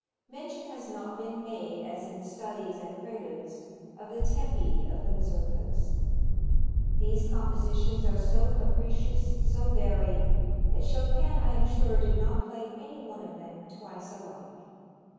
Mention has not been made, as in the studies and preludes, of the tempi of the Mazurkas. These compositions are so capricious, so varied, that Chopin, I am sure, did not play any one of them twice alike.